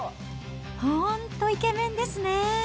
本当、イケメンですね。